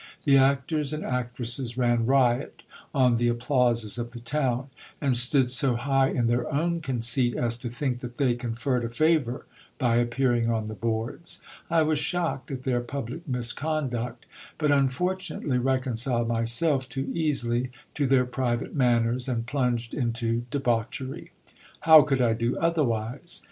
The actors and actresses ran riot on the applauses of the town, and stood so high in their own conceit, as to think that they conferred a favour by appearing on the boards. I was shocked at their public misconduct ; but unfortunately reconciled myself too easily to their private manners, and plunged into debauchery. How could I do otherwise ?